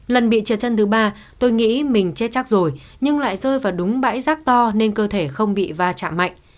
lần bị trượt chân thứ ba tôi nghĩ mình chết chắc rồi nhưng lại rơi vào đúng bãi rác to nên cơ thể không bị va chạm mạnh